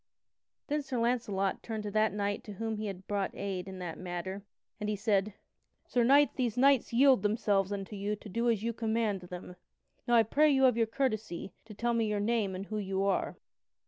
Then Sir Launcelot turned to that knight to whom he had brought aid in that matter, and he said: "Sir Knight, these knights yield themselves unto you to do as you command them. Now I pray you of your courtesy to tell me your name and who you are."